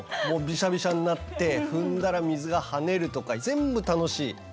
もうビシャビシャになって踏んだら水がはねるとか全部楽しい。